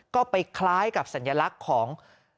ก็ไปคล้ายกับสัญลักษณ์ของ